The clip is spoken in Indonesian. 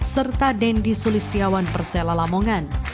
serta dendi sulistiawan persela lamongan